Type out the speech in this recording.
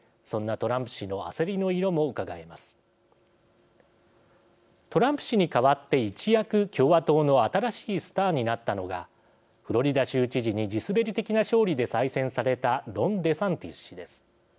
トランプ氏に代わって一躍、共和党の新しいスターになったのがフロリダ州知事に地滑り的な勝利で再選されたロン・デサンティス氏です。